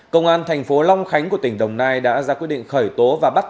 công an thành phố long khánh của tỉnh đồng nai đã ra quyết định khởi tố và bắt